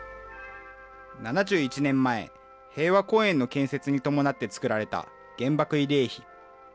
７１年前、平和公園の建設に伴って作られた原爆慰霊碑。